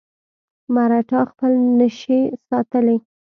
مړتا خپل نشي ساتلی.